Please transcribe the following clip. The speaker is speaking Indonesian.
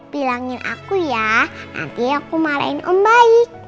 bilangin aku ya nanti aku marahin om baik